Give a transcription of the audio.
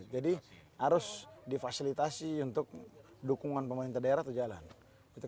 jadi harus difasilitasi untuk dukungan pemerintah daerah terjalan